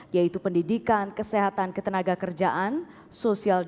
yaitu pendidikan kesehatan ketenaga kerjaan sosial